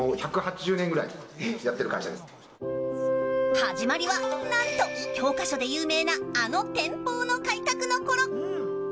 始まりは何と教科書で有名なあの天保の改革のころ。